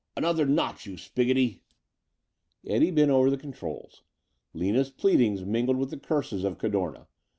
"Another notch, you spiggoty!" Eddie bent over the controls. Lina's pleadings mingled with the curses of Cadorna.